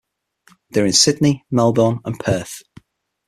They are in Sydney, Melbourne and Perth.